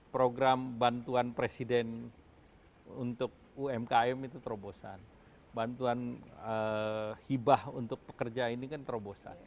program bantuan presiden untuk umkm itu terobosan bantuan hibah untuk pekerja ini kan terobosan